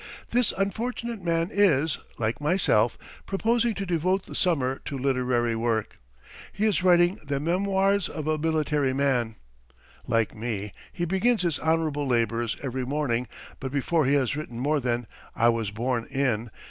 This unfortunate man is, like myself, proposing to devote the summer to literary work. He is writing the "Memoirs of a Military Man." Like me, he begins his honourable labours every morning, but before he has written more than "I was born in